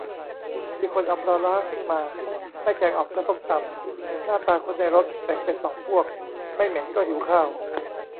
มีคนเอาปลาร้าขึ้นมา ไม่แกงอ่อมก็ส้มตำ หน้าตาคนในรถแบ่งเป็นสองพวก ไม่เหม็นก็หิวข้าว